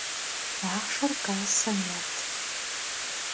Axhşşer kassem yêt!